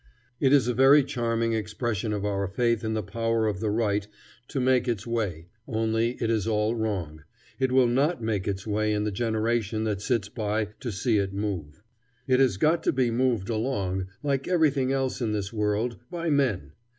It is a very charming expression of our faith in the power of the right to make its way, only it is all wrong: it will not make its way in the generation that sits by to see it move. It has got to be moved along, like everything else in this world, by men.